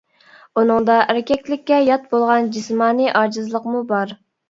ئۇنىڭدا ئەركەكلىككە يات بولغان جىسمانىي ئاجىزلىقمۇ بار.